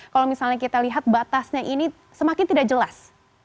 kalau misalnya kita lihat batasnya ini semakin tidak jelas